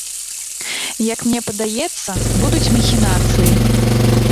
Як мне падаецца, будуць махінацыі.